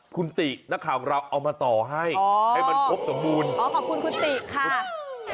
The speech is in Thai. คุณตินักข่าวของเราเอามาต่อให้ให้มันครบสมบูรณ์อ๋อขอบคุณคุณติค่ะ